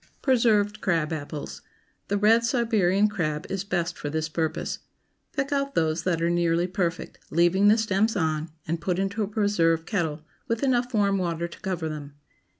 PRESERVED CRAB APPLES. ✠ The red Siberian crab is best for this purpose. Pick out those that are nearly perfect, leaving the stems on, and put into a preserve kettle, with enough warm water to cover them.